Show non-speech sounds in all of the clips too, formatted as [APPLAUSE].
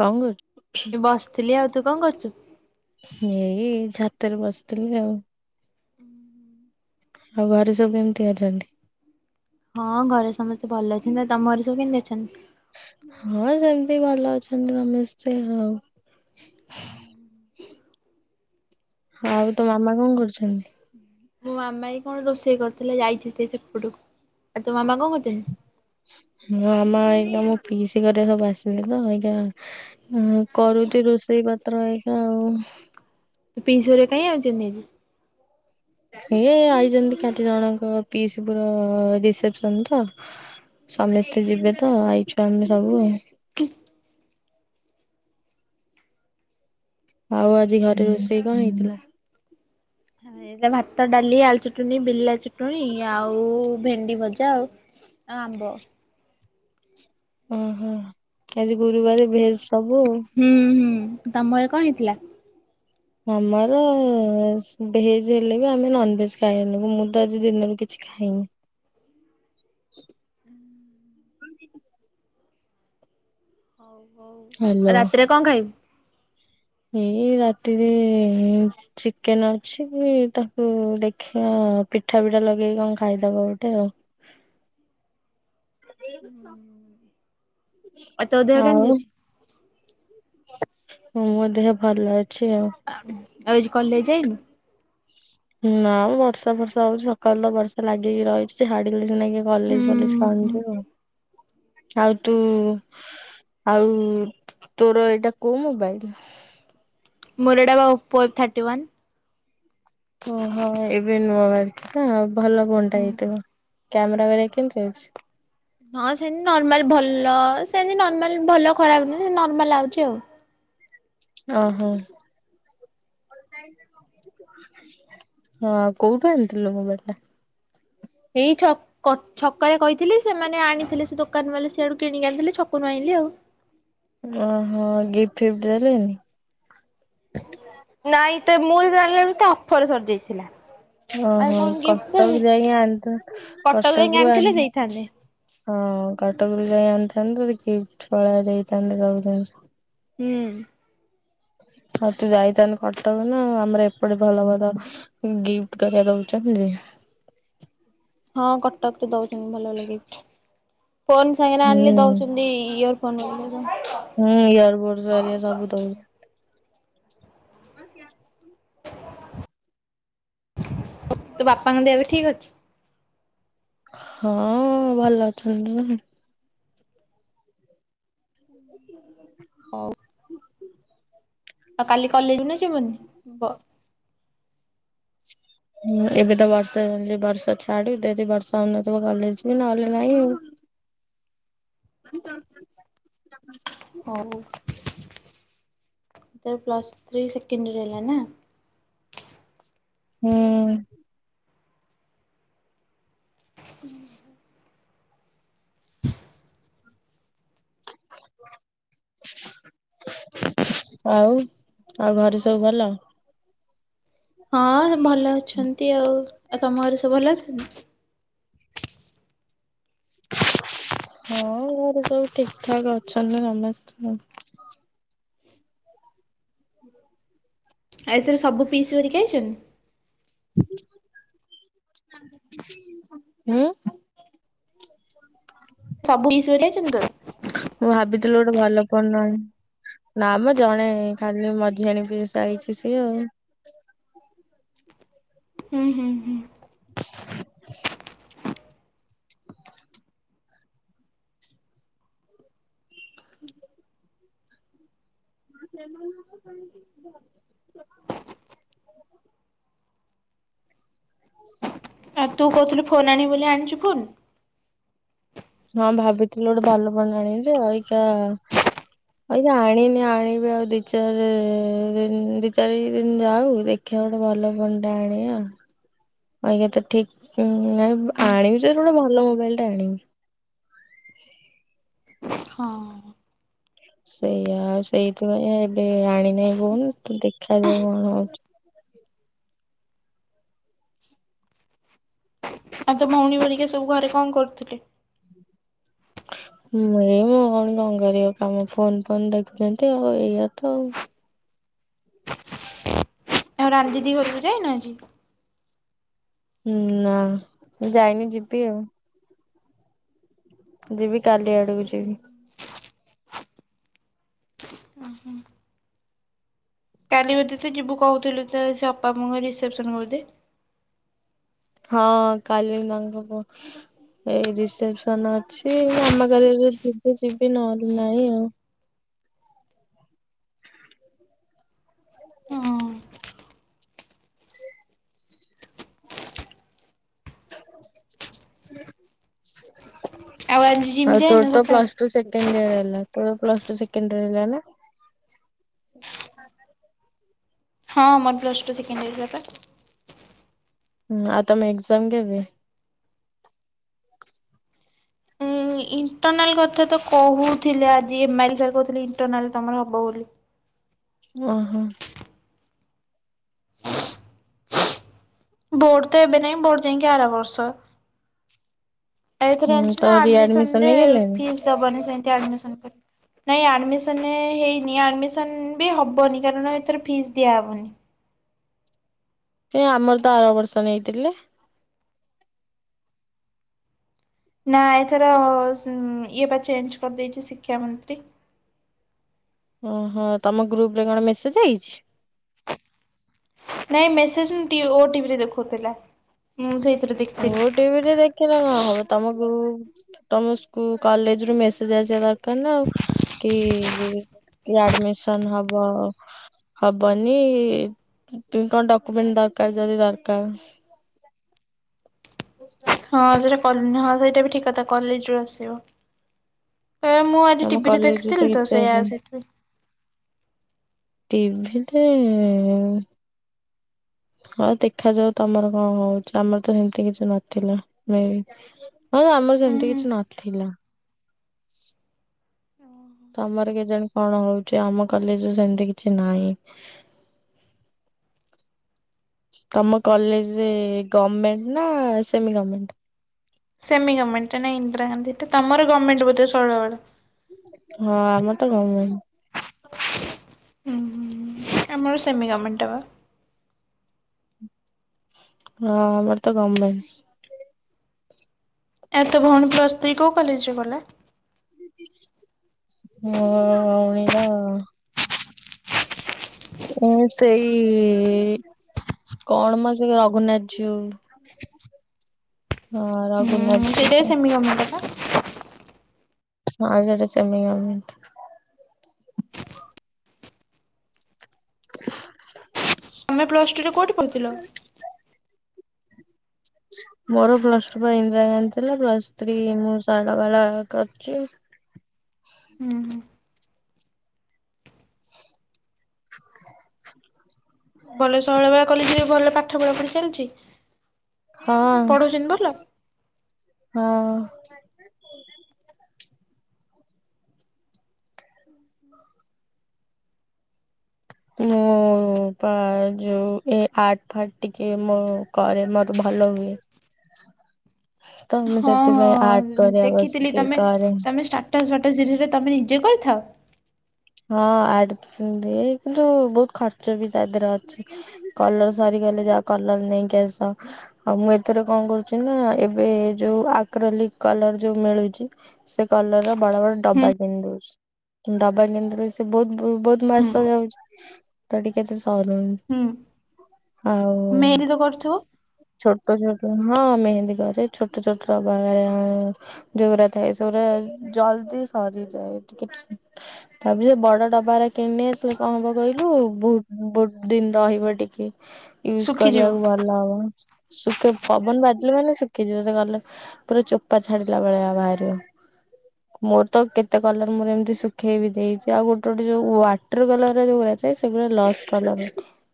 କଣ କହୁଛୁ? ଏଇ ବସିଥିଲି। ଆଉ ତୁ କଣ କରୁଛୁ? ଏଇ ଛାତରେ ବସିଥିଲି ଆଉ। ଆଉ ଘରେ ସବୁ କେମିତି ଅଛନ୍ତି? ହଁ ଘରେ ସମସ୍ତେ ଭଲ ଅଛନ୍ତି। ଆଉ ତମ ଘରେ ସବୁ କେମିତି ଅଛନ୍ତି? ହଁ ସେମିତି ଭଲ ଅଛନ୍ତି ସମସ୍ତେ ଆଉ। ଆଉ ତୋ ମାମା କଣ କରୁଛନ୍ତି? ମୋ ମାମା ଏଇ କଣ ରୋଷେଇ କରିଥିଲେ ଯାଇଛନ୍ତି ସେପଟକୁ। ଆଉ ତୋ ମାମା କଣ କରୁଛନ୍ତି? ମୋ ମାମା ଏଇ ମୁଁ ମୋ ପିଇସି ଘରେ ସବୁ ଆସିିବେ ତ ଏଇକା ହୁଁ କରୁଛି ରୋଷେଇ ପତ୍ର ଏଇକା ଆଉ। ପିଇସୀ ଘର କାଇଁ ଆଇଚନ୍ତି ଆଜି? ଏଇ ଆଇଛନ୍ତି ଏକାଠି ଜଣଙ୍କ ପିଇସୀ ପୁଅର ରିସେପ୍ସନ ତ ସମସ୍ତେ ଯିବେ ତ, ଆଇଚୁ ଆମେ ସବୁ ଆଉ। [UNINTELLIGIBLE] ଆଉ ଆଜି ଘରେ ରୋଷେଇ କଣ ହେଇଥିଲା? ହେଇଥିଲା ଭାତ, ଡାଲି, ଆଳୁ ଚଟଣି, ବିଲା ଚଟଣି, ଆଉ ଭେଣ୍ଡି ଭଜା ଆଉ। ଆ ଆମ୍ବ। ଓହୋ! ଆଜି ଗୁରୁବାର, ଭେଜ ସବୁ ଆଉ। ହୁଁ- ହୁଁ ତମର କଣ ହେଇଥିଲା? ଆମର ଭେଜ ହେଲେ ବି ଆମେ ନନଭେଜ ଖାଇନୁ। ମୁଁ ତ ଆଜି ଦିନରେ କିଛି ଖାଇନି। ଆଉ ହ୍ୟାଲୋ ରାତିରେ କଣ ଖାଇବୁ? ଏ ରାତିରେ ଏ ଚିକେନ ଅଛି ତାକୁ ଦେଖିବା ପିଠା ଫିଠା ଲଗେଇକି କଣ ଖାଇଦବା ଗୋଟେ ଆଉ। ଆଉ ତୋ ଦେହ କେମିତି ଆଉ ଅଛି? ମୋ ଦେହ ଭଲ ଅଛି ଆଉ। ଆଉ ଆଜି କଲେଜ ଯାଇନୁ? ନାମ ବର୍ଷା ଫର୍ଷା ହଉଚି ସକାଳୁ ତ ବର୍ଷା ଲାଗିକି ରହିଛି। ଛାଡିଲେ ସିନା କିଏ କଲେଜ ଫଲେଜ କଣ ହୁଁ ଯିବ। ଆଉ ତୁ ଆଉ ତୋର ଏଇଟା କୋଉ ମୋବାଇଲ? ମୋର ଏଟା ବା ଓପୋ ଏଫ୍ ଥାର୍ଟି ୱାନ୍। ଓହୋ ଏବେ ନୂଆ ବାହାରିଛି ତ ଭଲ ଫୋନଟା ହେଇଥିବ। କ୍ୟାମେରା ଭରିଆ କେମିତି ଅଛି? ହଁ ସେମିତି ନର୍ମାଲ ଭଲ ସେମିତି ନର୍ମାଲ ଭଲ ଖରାପ ନାଇଁ ନର୍ମାଲ ଆଉଚି ଆଉ। ଓହୋ। ହଁ କୋଉଠୁ ଆଣିଥିଲୁ ମୋବାଇଲ ଟା? ଏଇ ଛ କ ଛକରେ କହିଥିଲି ସେମାନେ ଆଣିଥିଲେ ସେ ଦୋକାନ ବାଲା ସିଆଡୁ କିଣିକି ଆଣିଥିଲେ ଛକରୁ ଆଣିଲି ଆଉ। ଓହୋ ଗିଫ୍ଟ ଫିଫ୍ଟ ଦେଲେନି? ନାଇଁ ତ ମୁଁ ଯେତେ ବେଳେ ଆଣିଲାବେଳକୁ ତା ଅଫର ସରି ଯାଇଥିଲା। ଓହୋ କଟକ ଯାଇକି ଆଣିଥାନ୍ତୁ କଟକ ଯାଇକି ରୁ ଆଣିଥିଲେ ଆଣି [UNINTELLIGIBLE] ଦେଇଥାନ୍ତେ। ହଁ କଟକରୁ ଯାଇ ଆଣିଥାନ୍ତୁ ତତେ ଗିଫ୍ଟ ଭଳିଆ ଦେଇଥାନ୍ତେ ସବୁ ଜିନିଷ। ହୁଁ। ଆଉ ତୁ ଯାଇଥାନ୍ତୁ କଟକ ନା ଆଉ। ଆମର ଏପଟେ ଭଲ ଭଲ ଗିଫ୍ଟ ତରିଆ ଦଉଛନ୍ତି ଯେ। ହଁ କଟକରେ ଦଉଛନ୍ତି ଭଲ ଭଲ ଗିଫ୍ଟ। ଫୋନ୍ ସାଙ୍ଗରେ ଆଣିଲେ ହୁଁ ଦଉଛନ୍ତି ଇଅର୍ ଫନ [UNINTELLIGIBLE] ହୁଁ ଇୟର ବୋଡସ୍ ହରିକା ସବୁ ଦଉ [INAUDIBLE] ତୋ ବାପାଙ୍କ ଦେଅ ଏବେ ଠିକ ଅଛି? ହଁ ଭଲ ଅଛନ୍ତି ହଉ ଆଉ କାଲି କଲେଜ ନା ଆସିବୁନି? [UNINTELLIGIBLE] ହୁଁ ଏବେ ତ ବର୍ଷା ହଉଛି ବର୍ଷା ଛାଡୁ ଯଦି ବର୍ଷା ହଉନଥିବ କଲେଜ ଜିବି ନହେଲେ ନାଇଁ ଆଉ। [INAUDIBLE] ହଉ ତୋର ପ୍ଲସ୍ ଥ୍ରୀ ସେକଣ୍ଡ ଇଅର ହେଲା ନା? ହୁଁ। ହୁଁ [UNINTELLIGIBLE] ଆଉ ଆଉ ଘରେ ସବୁ ଭଲ? ହଁ ଭଲ ଅଛନ୍ତି ଆଉ, ଆଉ ତମ ଘରେ ସବୁ ଭଲ ଅଛନ୍ତି? ହଁ ଘରେ ସବୁ ଠିକ ଠାକ ଅଛନ୍ତି ସମସ୍ତ। ହୁଁ। ଆଉ ଏଥିରେ ସବୁ ପିସି ଘରିକା ଆଇଛନ୍ତି? ହଁ। ସବୁ ପିସିି [UNINTELLIGIBLE] ମୁଁ ଭାବିଥିଲି ଗୋଟେ ଭଲ ଫୋନ୍ ଆଣିବି। ନା ମ ଜଣେ ଖାଲି ମଝି ଆଣ ପିସି ହେଇଛି ସିଏ ଆଉ ହୁଁ ହୁଁ ହୁଁ। ହ [INAUDIBLE] ସେମାନଙ୍କ ପାଇଁ [UNINTELLIGIBLE] [INAUDIBLE] ଆଉ ତୁ କହୁଥିଲୁ ଫୋନ ଆଣିବୁ ବୋଲି ଆଣିଛୁ ଫୋନ୍? ହଁ ଭାବିଥିଲୁ ଗୋଟେ ଭଲ ଫୋନ୍ ଆଣିବି ଯେ [UNINTELLIGIBLE] ଏଇନା ଆଣିନି ଆଣିବି ଆଉ ଦି ଚାରି ଦ ଦି ଚାରି ଦିନ ଯାଉ, ଦେଖ ଦେଖିଆ ଗୋଟେ ଭଲ ଫୋନ ଟେ ଆଣିବି ଆଉ [UNINTELLIGIBLE] ଅଇକ ତ ଠିକ ନାହି, ଆଣିବି ତ ଗୋଟେ ଭଲ ମୋବାଇଲ ଟା ଆଣିବି। [INAUDIBLE] ହଁ। ସେଇଆ ଆଉ ସେଇଥିପାଇଁ ଏବେ ଆଣିନାହିଁ ଫୋନ୍, ତୁ ଦେଖାଯାଉ କଣ ହଉଛି ଆଉ ତ ଭଉଣୀ ଭରିକା ସବୁ ଘରେ କଣ କରୁଥିଲେ? ଏଇ ମୁଁ କଣ କଣ କରିବ କାମ ଫୋନ୍ ଫୋନ ଦେଖୁଛନ୍ତି ଆଉ ଏଇଆ ତ ଆଉ। ଆଉ ରାନି ଦିଦି ଘରକୁ ଯାଇନାହାନ୍ତି? ହୁଁ ନା ଯାଇନି ଯିବି ଆଉ। ଯିବି କାଲି ଆଡକୁ ଯିବି। କାଲି ବୋଧେ ତ ଯିବୁ କହୁଥିଲୁ ତ ସେ ଅପାଙ୍କ ରିସେ୍ସନ୍ ବୋଧେ। ହଁ କାଲି ତାଙ୍କ କୁହ [INAUDIBLE] ଏଇ ରିସେପସନ ଅଛି, ମାମା କାଲି ଯଦି ଯିବେ ଯିବି ନହେଲେ ନାହିଁ ଆଉ। [UNINTELLIGIBLE] ଆଉ ଆଜି ଜିମ୍ ଆଉ ତୋର ଯାଇନୁ ତ ସକାଳେ? ପ୍ଲସ୍ ତୋ ସେକେଣ୍ଡିଅର ହେଲା ତୋର ପ୍ଲସ ଟୁ ସେକେଣ୍ଡିଅର ହେଲା ନା। ହଁ ମୋର ପ୍ଲସ ଟୁ ସେକେଣ୍ଡିଅର ହେଲା ପା। ହୁଁ ଆ ମୁଁ ଏକ୍ସାମ୍ କେବେ? ଉଁ ଇଣ୍ଟରନାଲ କଥା ତ କହୁଥିଲେ ଆଜି ଏମ ଆଇଲ ସାର୍ କହୁଥିଲେ ଇଣ୍ଟରନାଲ ତମର ହବ ବୋଲି। ଓହୋ। ବୋର୍ଡ ତ ଏବେ ନାଇଁ ବୋର୍ଡ ଯାଇକି ଆର ବର୍ଷ। ଏଥିରେ ହୁଁ ଜଣିଛି ନା ତମ ଆଡମିସନ ରିଆଡମିସନ ରେ ହେଇଗଲାଣି? ଫିସ୍ ଦବନି, ସେମତି ଆଡମିସନ ପରେ ନାଇଁ ଆଡ଼ମିସନ ହେଇନି ଆଡମିସନ ବି ହବନି କାରଣ ଏଥର ଫିସ୍ ଦିଆହବନି। କାଇଁ ଆମର ତ ଆର ବର୍ଷ ନେଇଥିଲେ। ନା ଏଥର ଇଏ ବା ଚେଞ୍ଜ କରିଦେଇଛି ଶିକ୍ଷା ମନ୍ତ୍ରୀ। ଓହୋ, ତମ ଗ୍ରୁପରେ କଣ ମେସେଜ ଆଇଛି? ନାଇଁ ମେସେଜ [UNINTELLIGIBLE] ଓ ଟିଭିରେ ଦେଖୁଥିଲା। ମୁଁ ଯାଇଥିଲି ଦେଖି। ଓଟିଭିରେ ଦେଖେ। କିନ୍ତୁ, ତମ କୁ ତମ ସ୍କୁଲ କଲେଜରୁ ମେସେଜ୍ ଆସିବା ଦରକାରନା ଆଉ। କି ଆଡମିସନ୍ ହବ। ହବନି, ତୁ କଣ ଡକୁ୍ୟୁମେଣ୍ଟ ଦରକାର ଯଦି ଦରକାର? [INAUDIBLE] ହଁ ସେଇଟା କନେହବ, ହଁ ସେଇଟାବି ଠିକ୍ କଥା କଲେଜରୁ ଆସିବ। ଏଇ ମୁଁ ଆଜି ତମ ଟିଭିରେ କଲେଜରୁ ତ ଦେଖିଥିଲିତ, କିଛି ସେଇୟଆ ଆସିନି। ସେଇଥିପାଇଁ। ଟିଭିରେ। ହଁ ଦେଖାଯାଉ ତମର କଣ ହଉଛି ଆମରତ ସେମିତି କିଛି ନଥିଲା ମେଇ ହଉ ଆମର ହୁଁ ସେମିତି ହୁଁ। କିଛି ନଥିଲା। ତମର କେଜାଣି କଣ ହେଉଚି ଆମ କଲେଜରେ ସେମିତି କିଛି ନାହିଁ। ତମ କଲେଜେ ଗମେଣ୍ଟ୍ ନା ସେମିଗମେଣ୍ଟ୍? ସେମିଗମେଣ୍ଟ୍ ଟା ନା ଇନ୍ଦିରାଗାନ୍ଧୀଟା ତମର ଗମେଣ୍ଟ୍ ବୋଧେ ଶୈଳବାଳା? ହଁ ଆମର ତ ଗମେଣ୍ଟେ୍। ଉଁ ହଁ ଆମର ସେମିଗମେଣ୍ଟ ଟା ବା। ହଁ ଆମର ତ ଗମେଣ୍ଟେ୍। ଆଉ ତେ ଭେଉଣୀ ପ୍ଲସ୍ ଥ୍ରୀ କେଉ କଲେଜ୍ ରେ ଗଲା? ହଅଇର ଇଏ ସେଇ କଣ ମ ଯେଉ ରଘୁନାଥ ଯିଉ। [INAUDIBLE] ହଁ ରଘୁନାଥ। ଜୀଉ ସେଇଟାବି ଟା ସେମିଗମେଣ୍ଟ ପା। ହଁ ସେଇଟା ସେମିଗମେଟ। [INAUDIBLE] ତମେ ପ୍ଲସଟୁରେ କୋଉଠି ପଢୁଥିଲ? ମୋର ପ୍ଲସଟୁ ପା ଇନ୍ଦିରାଗାନ୍ଧୀ ଥିଲା ପ୍ଲସଥ୍ରୀ ମୁଁ ଶୈଳବାଳା କରଚି। ହୁଁ ହୁଁ। ଭଲ ଶୈଳବାଳା କଲେଜେରେ ଭଲ ପାଠ ପଢାପଢି ଚାଲିଚି? ହଁ ହଁ। ମୁଁ ପା ଯୋଉ ଏ ଆଠ ଫାଟ ଟିକେ ମୋ କରେ ମୋର ଭଲ ହୁଏ। [INAUDIBLE] ତ ମୁଁ ହଁ ସେଥିପାଇଁ ଆର୍ଟ ହଁ କରିବା ଦେଖିଥିଲି, ବସିକି ତମେ କରେ ତମେ ଷ୍ଟାଟସ୍ ଭାଟସ୍ ସିରିରେ ତମେ ନିଜେ କରିଥାଅ? ହଁ ଆଡ଼ କି ଦେ କିନ୍ତୁ ବହୁତ ଖର୍ଚ୍ଚ ବି ତା ଦେହରେ ଅଛି। କଲର ସରିଗଲେ ଯାଆ କଲର ନେଇକି ଆସ। ଆଉ ମୁଁ ଏଥିରେ କଣ କରୁଛିନା, ଏବେ ଯୋଉ ଆକ୍ରୋଲିକ୍ କଲର ଯୋଉ ମିଳୁଚି। ସେ କଲର ବଡବଡ ହୁଁ ଡବା କିଣିଦୋଉଚି ଡବା କିଣିଦୋ ବହୁତ ବହୁତ ମାସ ହୁଁ ଯାଉଚି ତ ଟିକେ ଏତେ ସରୁନି। ହୁଁ ଆ ଉଁ। ମେହେନ୍ଦି କରୁଥିବ। ଛୋଟ ଛୋଟ ହଁ ମେହେନ୍ଦୀ କରେ ଛୋଟ ଛୋଟର ବାୟାଳା ଯଉରା ଥାଏ ସଉରା ଜଲ୍ଦି ସାରି ଯଏ ଟିକେ ତାପ ସେ ବଡ଼ ଡବାରା କିଣିନେ ସେ କଣ ହବ କହିଲୁ ବହୁ ବହୁତ ଦିନ ରହିବ ଟିକେ। [INAUDIBLE] ୟୁଜ କରିବାକୁ ଭଲ ହବ, ଶୁଖ ପବନ ବାଜିଲେ ମାନେ ଶୁଖିଯିବ ସେ ଗଲେ। ପୁରା ଚୋପା ଛାଡିଲା ଭଳିଆ ବାହାରିବ। ଁ ମୋର ତ କେତେ କଲର ମୋର ଏମିତି ଶୁଖେଇ ବି ଦେଇଛି ଆଉ ଗୋଟେ ଗୋଟେ ଯୋଉ ୱାଟର କଲରର ଯୋଉଗୁରା ସେ ସେଗୁରା ଲସ୍ କଲର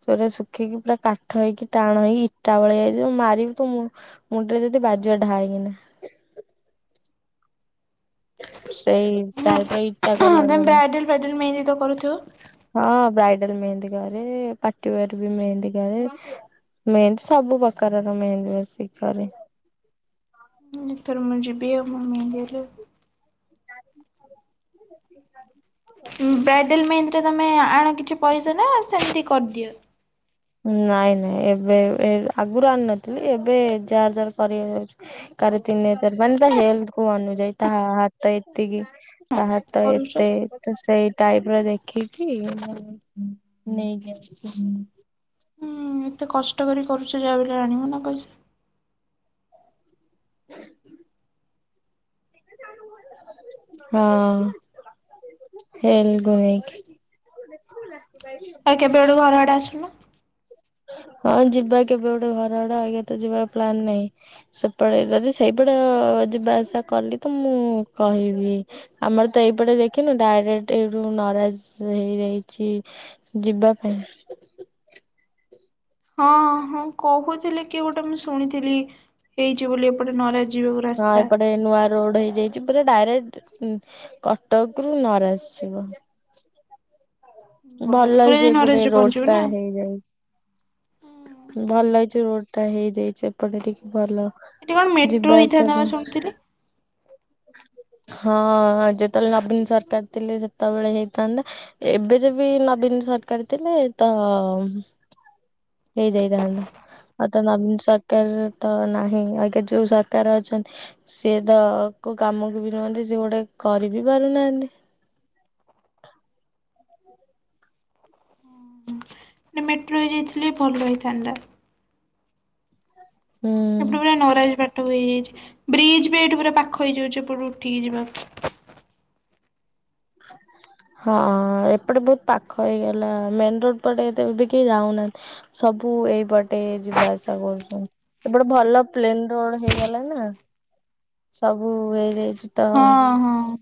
ସେଗୁରା ଶୁଖିକି ପୁରା କାଠ ହେଇକି ଟାଣ ହେଇ ଟାଉଳିଆ ହେଇଥିବ ମାରିବି ତୋ ମୁଣ୍ଡରେ ଯଦି ବାଯିବ ଢାଏ କିନା। ସେଇ ଟାଇପର ଇଟା ହୁଁ କଲର ତମେ ଗୁରା ବ୍ରାଇଡାଲ ଫ୍ରାଇଡ଼ାଲ ମେହେନ୍ଦୀ ତ କରୁଥିବ? ହଁ ବ୍ରାଇଡାଲ ମେହେନ୍ଦୀ କ, ପାଟି ୱେର ବି ମେହେନ୍ଦୀ କରେ। ମେହେନ୍ଦୀ ସବୁ ପ୍ରକାରର ମେହେନ୍ଦୀ ବସିକି କରେ। ଏଥର ମୁ ଯିବି ଆଉ ମୋ ମେହେନ୍ଦି ହେଲେ। ବ୍ରାଇଡେଲ ମେହେନ୍ଦୀଟା ତମେ ଆଣ କିଛି ପଇସା ନା ସେମିତି କରଦିଅ? ନାଇଁ ନାଇଁ ଏବେ ଆଗୁରୁ ଆଣୁ ନଥିଲି ଏବେ ଯାହାର ଯାହାର କରିବାକୁ ଯାଉଛି କାର ତିନି ହଜାର ମାନେ ତା ହେଲଥ କୁ ଅନୁଜାଇ ତା ହାତ ଏତିକି ତା ହାତ କରୁଛ ଏତେ ହୁଁ ତ ସେଇ ଟାଇପର ଦେଖିକି ନେଇକି ଆସୁ। ହୁଁ ଏତେ କଷ୍ଟ କରି କରୁଛ ଯାହାବି ହେଲେ ଆଣିବ ନା ପଇସା। [INAUDIBLE] ହଁ ହେଲ କୁ ନେଇକି। ଆଉ କେବେ ଗୋଟେ ଘର ଆଡେ ଆସୁନ। ହଁ ଯିବା କେବେ ଗୋଟେ ଘର ଆଡେ ଆଉ ୟା ତ ଯିବା ପ୍ଲାନ ନାହିଁ। ସେପଟେ ଯଦି ସେଇପଟ ଯିବା ଆସିବା କଲି ତ ମୁଁ କହିବି। ଆମର ତ ଏଇପଟେ ଦେଖିନୁ ଡାଇରେକ୍ଟ ଏଇଠୁ ନରାଜ ହେଇଯାଇଚି। ଯିବା ପାଇଁ। ହଁ ହଁ କହୁଥିଲେ କିଏ ଗୋଟେ ମୁଁ ଶୁଣିଥିଲି ହେଇଛି ବୋଲି ଏପଟେ ନରାଜ ଯିବାକୁ ହଁ ରାସ୍ତା ଏପଟେ ନୂଆ ରୋଡ ହେଇଯାଇଛି ପୁରା ଡାଇରେକ୍ଟ କଟକ ରୁ ନରାସ ଯିବ। ଭଲ ପୁରା ହେଇଚି ଯାଇ ଏପଟେ ନରାଜରେ ରୋଡ ପହଞ୍ଚିବ ନା ଟା ହେଇଯାଇଛି। ଭଲ ହେଇଚି ରୋଡ ଟା ହେଇଯାଇଛି ଏପଟେ ଟିକେ ଭଲ। ଏଠି କଣ ମେଟ୍ରୋ ଯିବା ଆସିବା ହେଇଥାନ୍ତା ବା ପାଇଁ। ଶୁଣୁଥିଲି। ହଁ ଯେତେବେଳେ ନବୀନ ସରକାର ଥିଲେ ସେତେବେଳେ ହେଇଥାନ୍ତା। ଏବେ ଯେ ବି ନବୀନ ସରକାରୀ ଥିଲେ ତ ହେଇଯାଇଥାନ୍ତା ଆଉ ତ ନବୀନ ସରକାର ତ ନାହିଁ ଆଇକା ଯୋଉ ସରକାର ଅଛନ୍ତି ସିଏ ତ କୋଉ କାମକୁ ବି ନୁହନ୍ତି ସିଏ ଗୋଟେ କରି ବି ପାରୁନାହାନ୍ତି। ମାନେ ମେଟ୍ରୋ ହେଇ ଯାଇଥିଲେ ଭଲ ହେଇଥାନ୍ତା। ହୁଁ ସେପଟେ ପୁରା ନରାଜ ପାଟ ହେଇଯାଇଛି ବ୍ରିଜ ବି ଏଇଠି ପୁରା ପାଖ ହେଇଯାଉଛି ଏପଟୁ ଉଠିକି ଯିବାକୁ। [INAUDIBLE] ହଁ ଏପଟେ ବହୁତ ପାଖ ହେଇଗଲା ମେନ୍ ରୋଡ ପଟେ ଏତେ ବି କେହି ଯାଉନାହାନ୍ତି। ସବୁ ଏଇପଟେ ଯିବା ଆସିବା କରୁଛନ୍ତି। ଏପଟେ ଭଲ ପ୍ଲେନ ରୋଡ ହେଇଗଲା ନା ସବୁ ହେଇଯାଇଛି। ତ ହଁ ହଁ।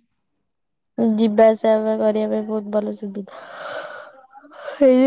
ଯିବା ଆସିବା କରିବା ପାଇଁ ବହୁତ ଭଲ ସୁବିଧା ହେଇଯାଇଛି।